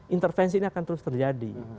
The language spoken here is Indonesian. intervensi ini akan terus terjadi